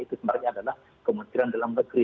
itu sebenarnya adalah kementerian dalam negeri